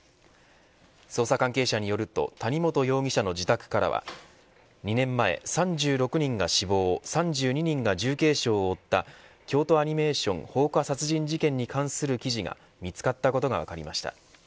捜査関係者によると谷本容疑者の自宅からは２年前、３６人が死亡３２人が重軽傷を負った京都アニメーション放火殺人事件に関する記事が見付かったことが分かりました。